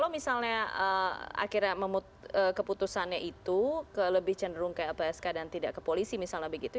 misalnya akhirnya keputusannya itu lebih cenderung ke lpsk dan tidak ke polisi misalnya begitu